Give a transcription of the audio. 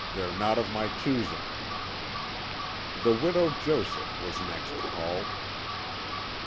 They're not of my choosing." The Widow Joseph was next called.